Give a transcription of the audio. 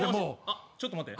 あっちょっと待って。